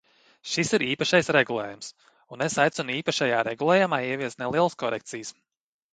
Šis ir īpašais regulējums, un es aicinu īpašajā regulējumā ieviest nelielas korekcijas.